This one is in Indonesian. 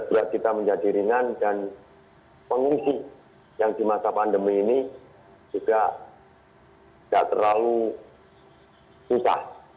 berat kita menjadi ringan dan pengungsi yang di masa pandemi ini juga tidak terlalu susah